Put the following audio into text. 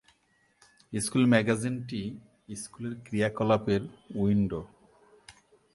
School ম্যাগাজিনটি স্কুলের ক্রিয়াকলাপের উইন্ডো।